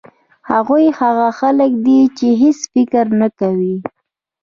هغوی هغه خلک دي چې هېڅ فکر نه کوي.